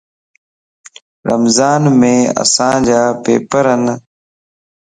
رمضانم اسانجا پيپرن